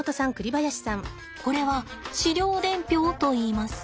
これは飼料伝票といいます。